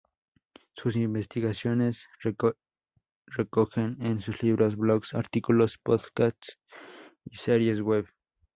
Sus investigaciones se recogen en sus libros, blogs, artículos, podcasts y series web.